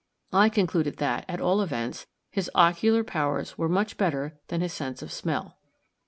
I concluded that, at all events, his ocular powers were much better than his sense of smell.